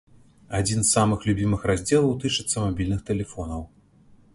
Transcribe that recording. Адзін з самых любімых раздзелаў тычыцца мабільных тэлефонаў.